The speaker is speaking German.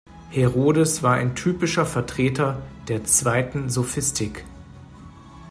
Herodes war ein typischer Vertreter der „Zweiten Sophistik“.